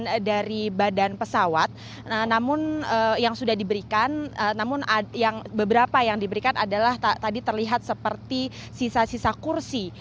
kemudian dari badan pesawat namun yang sudah diberikan namun beberapa yang diberikan adalah tadi terlihat seperti sisa sisa kursi